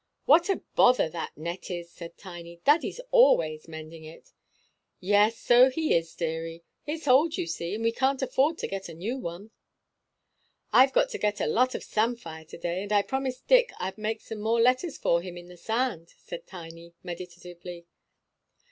"What a bother that net is," said Tiny. "Daddy's always mending it." "Yes, so he is, deary. It's old, you see, and we can't afford to get a new one." "I've got to get a lot of samphire to day, and I promised Dick I'd make some more letters for him in the sand," said Tiny, meditatively.